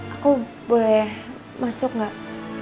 aku boleh masuk gak